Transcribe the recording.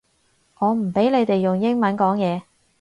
我唔畀你哋用英文講嘢